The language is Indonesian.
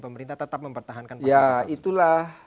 pemerintah tetap mempertahankan pasal ya itulah